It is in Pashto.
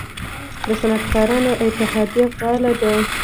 د صنعتکارانو اتحادیه فعال ده؟